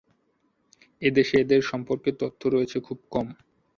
এদেশে এদের সম্পর্কে তথ্যও রয়েছে খুব কম।